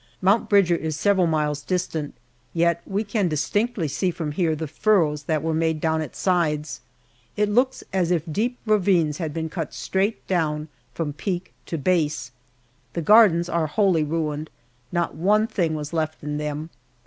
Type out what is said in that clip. Mount Bridger is several miles distant, yet we can distinctly see from here the furrows that were made down its sides. It looks as if deep ravines had been cut straight down from peak to base. The gardens are wholly ruined not one thing was left in them.